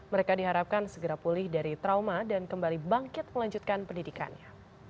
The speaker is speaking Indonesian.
mereka diharapkan segera pulih dari trauma dan kembali bangkit melanjutkan pendidikannya